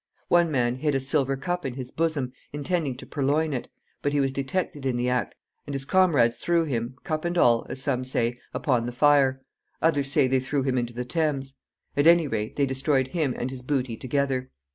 One man hid a silver cup in his bosom, intending to purloin it; but he was detected in the act, and his comrades threw him, cup and all, as some say, upon the fire; others say they threw him into the Thames; at any rate, they destroyed him and his booty together.